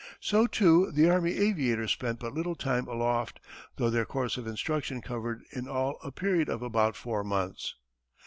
So too the army aviators spent but little time aloft, though their course of instruction covered in all a period of about four months.